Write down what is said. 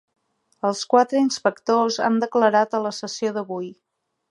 Els quatre inspectors han declarat a la sessió d'avui